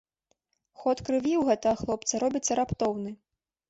Ход крыві ў гэтага хлопца робіцца раптоўны.